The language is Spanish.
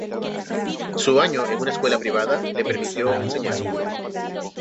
Su año en una escuela privada le permitió enseñar.